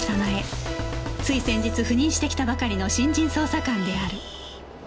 つい先日赴任してきたばかりの新人捜査官である